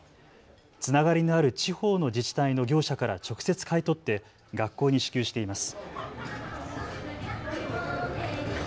つながりのある地方の自治体の業者から直接、買い取って学校に支給しています。